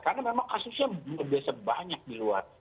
karena memang kasusnya lebih banyak di luar